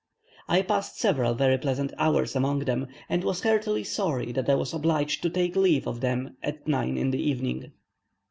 I passed several very pleasant hours among them, and was heartily sorry that I was obliged to take leave of them at 9 in the evening.